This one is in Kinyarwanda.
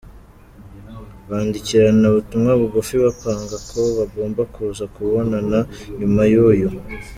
bandikirana ubutumwa bugufi bapanga ko bagomba kuza kubonana nyuma yuyu.